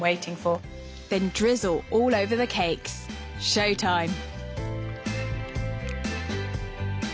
ショータイム！